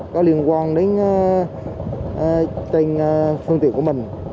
có liên quan đến tên phương tiện của mình